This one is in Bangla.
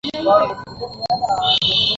এ পর্যন্ত তাতে আমার কী উপকার হয়েছে?